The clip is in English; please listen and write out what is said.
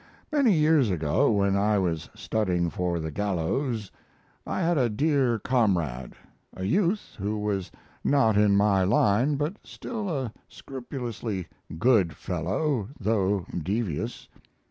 Many years ago, when I was studying for the gallows, I had a dear comrade, a youth who was not in my line, but still a scrupulously good fellow though devious.